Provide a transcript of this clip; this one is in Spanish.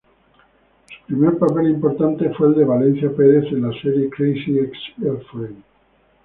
Su primer papel importante fue el de Valencia Perez en la serie Crazy Ex-Girlfriend".